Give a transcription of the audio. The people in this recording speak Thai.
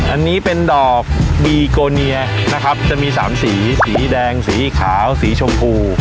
อันนี้เป็นดอกบีโกเนียนะครับจะมี๓สีสีแดงสีขาวสีชมพู